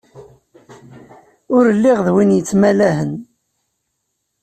Ur lliɣ d win yettmalahen.